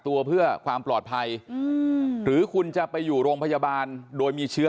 ตัวเพื่อความปลอดภัยหรือคุณจะไปอยู่โรงพยาบาลโดยมีเชื้อ